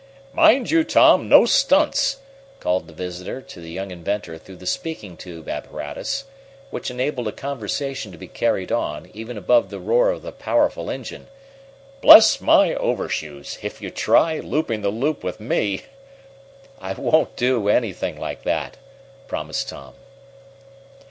"Mind you, Tom, no stunts!" called the visitor to the young inventor through the speaking tube apparatus, which enabled a conversation to be carried on, even above the roar of the powerful engine. "Bless my overshoes! if you try, looping the loop with me " "I won't do anything like that!" promised Tom.